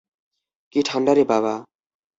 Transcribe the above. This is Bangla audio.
কি ঠাণ্ডা রে বাবা।